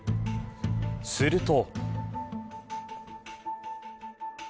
すると。